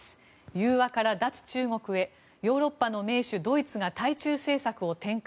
融和から脱中国へヨーロッパの盟主、ドイツが対中政策を転換。